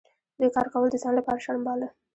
دوی کار کول د ځان لپاره شرم باله.